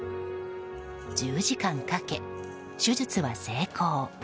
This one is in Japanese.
１０時間かけ手術は成功。